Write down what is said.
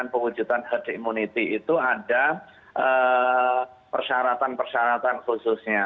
dengan pengujutan herd immunity itu ada persyaratan persyaratan khususnya